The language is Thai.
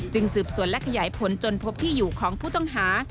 สืบสวนและขยายผลจนพบที่อยู่ของผู้ต้องหา